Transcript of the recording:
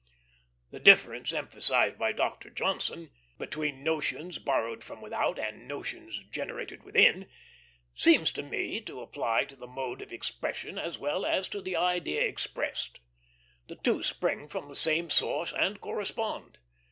The difference emphasized by Dr. Johnson, "between notions borrowed from without and notions generated within," seems to me to apply to the mode of expression as well as to the idea expressed. The two spring from the same source, and correspond.